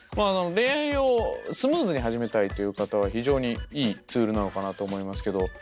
恋愛をスムーズに始めたいという方は非常にいいツールなのかなと思いますけど。